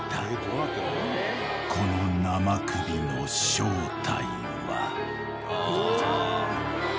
［この生首の正体は］